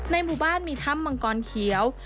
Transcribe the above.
หมู่บ้านมีถ้ำมังกรเขียว